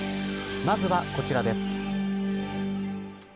まずは、こちらです。